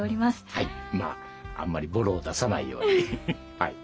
はいまああんまりボロを出さないようにはい。